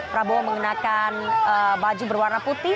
prabowo mengenakan baju berwarna putih